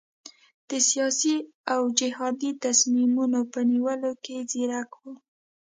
د سیاسي او جهادي تصمیمونو په نیولو کې ځیرک وو.